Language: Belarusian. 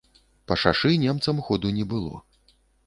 Па шашы немцам ходу не было.